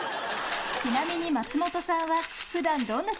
ちなみに松本さんは。